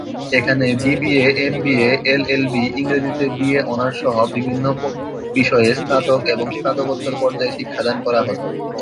এখানে BBA, MBA, LLB, ইংরেজিতে BA honours সহ বিভিন্ন বিষয়ে স্নাতক এবং স্নাতকোত্তর পর্যায়ে শিক্ষা দান করা হত।